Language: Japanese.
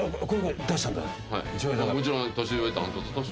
もちろん。